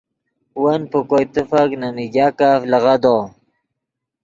ون پے کوئے تیفک نے میگاکف لیغدو